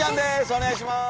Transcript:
お願いします。